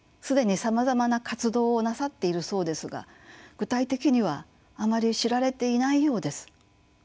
既にさまざまな活動をなさっているそうですが具体的にはあまり知られていないようです。